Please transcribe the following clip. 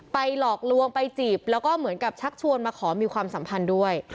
หลอกลวงไปจีบแล้วก็เหมือนกับชักชวนมาขอมีความสัมพันธ์ด้วย